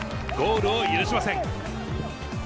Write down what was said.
ゴールを許しません。